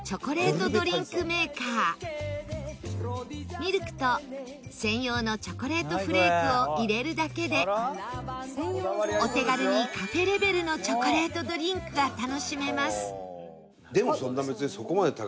ミルクと専用のチョコレートフレークを入れるだけでお手軽にカフェレベルのチョコレートドリンクが楽しめます。